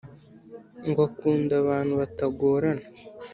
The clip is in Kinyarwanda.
ngo akunda abantu batagorana